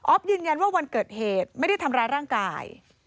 ยืนยันว่าวันเกิดเหตุไม่ได้ทำร้ายร่างกาย